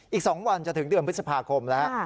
อีก๒วันจะถึงเดือนพฤษภาคมแล้ว